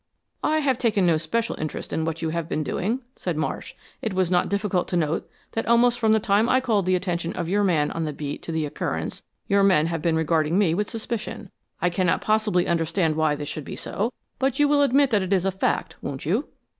"I have taken no special interest in what you have been doing," said Marsh. "It was not difficult to note that almost from the time I called the attention of your man on the beat to the occurrence, your men have been regarding me with suspicion. I cannot possibly understand why this should be so, but you will admit that it is a fact, won't you?"